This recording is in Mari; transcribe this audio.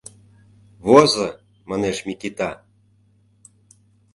— Возо, — манеш Микита.